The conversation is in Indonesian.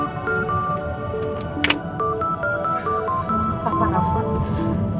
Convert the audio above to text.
aku juga bener bener gak ada yang baik mas